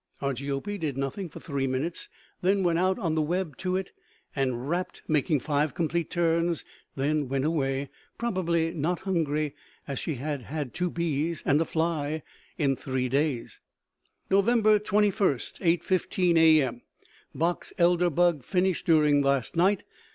Argiope did nothing for three minutes, then went out on the web to it and wrapped, making five complete turns; then went away. Probably not hungry, as she has had two bees and a fly in three days. "Nov. 21, 8:15 A.M.; box elder bug finished during last night.